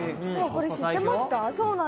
これ、知ってますか？